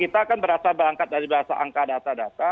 kita kan berdasarkan berangkat dari angka angka data data